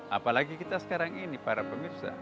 apalagi kita sekarang ini para pemirsa